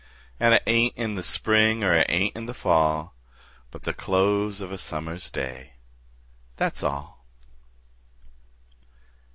An' it ain't in the spring er it ain't in the fall, But the close of a summer's day, That's all.